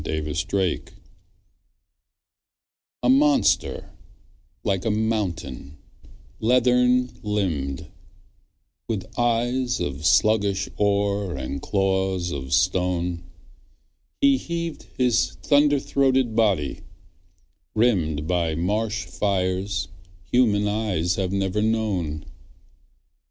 Megalosaurus A MONSTER like a mountain, leathern limbed, With eyes of sluggish ore and claws of stone, He heaved his thunder throated body, rimmed By marsh fires human eyes have never known.